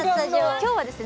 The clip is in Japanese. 今日はですね